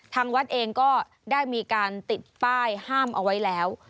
ทางวัดเองก็ได้มีการติดป้ายห้ามเอาไว้แล้ว